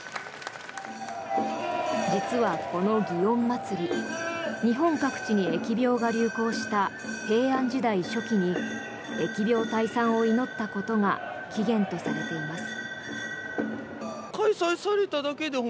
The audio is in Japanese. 実はこの祇園祭日本各地に疫病が流行した平安時代初期に疫病退散を祈ったことが起源とされています。